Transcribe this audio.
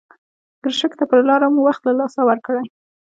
ګرشک ته پر لاره مو وخت له لاسه ورکړی.